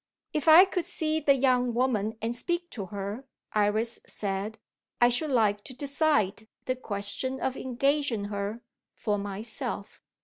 "If I could see the young woman and speak to her," Iris said, "I should like to decide the question of engaging her, for myself."